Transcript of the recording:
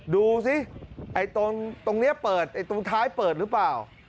ดูสิตรงนี้เปิดตรงท้ายเปิดหรือเปล่า